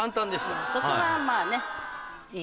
そこがまぁね。